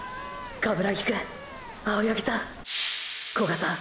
鏑木くん青八木さん古賀さん